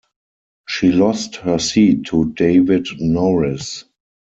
She lost her seat to David Norris.